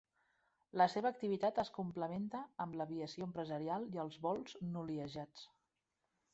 La seva activitat es complementa amb l'aviació empresarial i els vols noliejats.